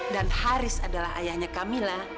dan haris adalah ayahnya kamila